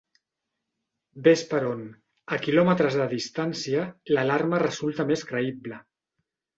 Ves per on, a quilòmetres de distància, l'alarma resulta més creïble.